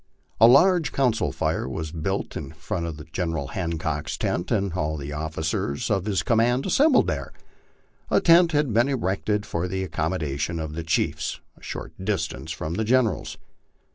A large council fire was built in front of Che General's tent, and all the officers of his command assembled there. A tent had been erected for the accommodation of the chiefs a short distance from the General's.